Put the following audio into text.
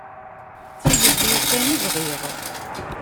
D tilelli-w kan i bɣiɣ.